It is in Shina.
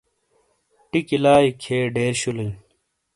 ٹیکی لائی کھئیے ڈیر شولئی۔